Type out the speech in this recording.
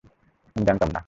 আমি জানতাম না।